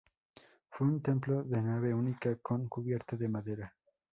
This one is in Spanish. Fue un templo de nave única con cubierta de madera.